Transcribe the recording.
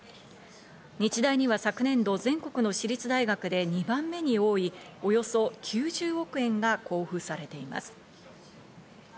日大には昨年度、全国の私立大学で２番目に多いおよそ９０億円が交付されています。